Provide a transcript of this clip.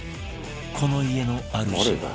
この家のあるじは